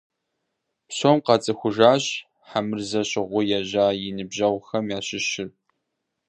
Псоми къацӀыхужащ Хьэмырзэ щӀыгъуу ежьа и ныбжьэгъухэм ящыщыр.